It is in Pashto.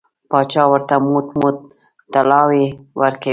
پاچا ورته موټ موټ طلاوې ورکوي.